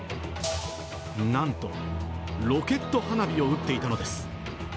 なんと、ロケット花火を打っていたのです。